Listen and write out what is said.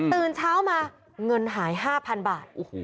ตื่นเช้ามาเงินหาย๕๐๐๐บาท